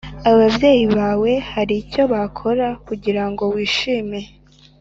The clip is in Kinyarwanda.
ababyeyi bawe Hari icyo wakora kugira ngo wishimire